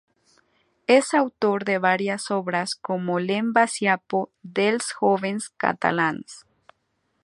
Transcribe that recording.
Es autor de varias obras como "L’emancipació dels joves catalans.